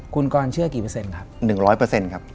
คุณกรเชื่อกี่เปอร์เซ็นต์ครับหนึ่งร้อยเปอร์เซ็นต์ครับ